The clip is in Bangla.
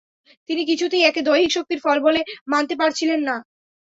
তিনি কিছুতেই একে দৈহিক শক্তির ফল বলে মানতে পারছিলেন না।